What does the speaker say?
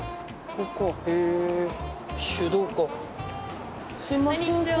こんにちは